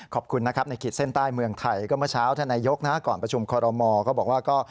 ขอบคุณนะครับในขีดเส้นใต้เมืองไทยก็เมื่อเช้าท่านนายกนะก่อนประชุมคอรมอก็บอกว่าก็